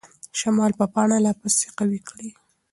شمال به پاڼه لا پسې قوي کړي.